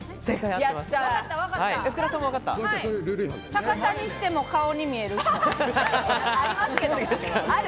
逆さにしても顔に見える人。